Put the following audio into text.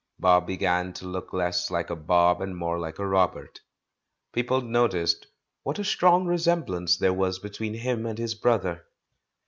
Bob began to look less like a Bob and more hke a Robert. People noticed "what a strong resemblance there was between hinl and his brother."